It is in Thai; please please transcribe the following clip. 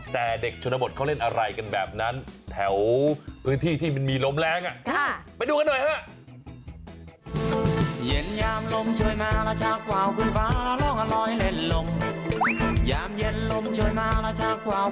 แต่เด็กชนบทเขาเล่นอะไรกันแบบนั้นแถวพื้นที่ที่มันมีลมแรงไปดูกันหน่อยฮะ